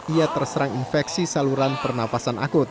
ia terserang infeksi saluran pernafasan akut